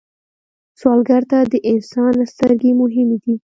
سوالګر ته د انسان سترګې مهمې دي